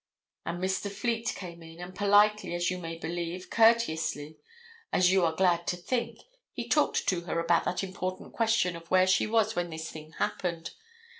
And Mr. Fleet came in, and politely, as you may believe, courteously, as you are glad to think, he talked to her about that important question of where she was when this thing happened.